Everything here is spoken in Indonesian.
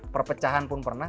perpecahan pun pernah